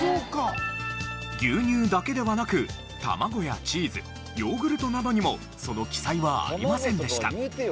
牛乳だけではなく卵やチーズヨーグルトなどにもその記載はありませんでした。